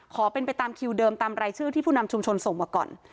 ขอเป็นไปตามคิวเดิมตามรายชื่อที่ผู้นำชุมชนส่งมาก่อน